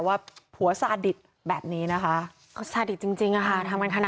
ว่าผัวซาดิตแบบนี้นะคะ